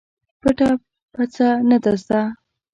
پټه پڅه نه ده زده.